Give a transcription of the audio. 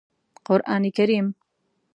قرآن کریم